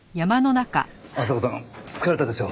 阿佐子さん疲れたでしょ？